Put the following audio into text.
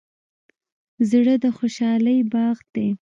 زړه د خوشحالۍ باغ دی.